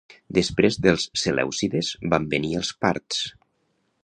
Després dels selèucides van venir els parts.